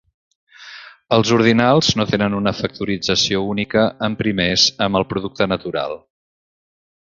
Els ordinals no tenen una factorització única en primers amb el producte natural.